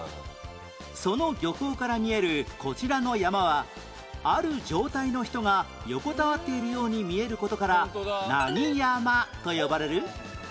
その漁港から見えるこちらの山はある状態の人が横たわっているように見える事から何山と呼ばれる？